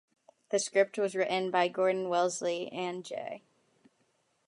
The script was written by Gordon Wellesley and J.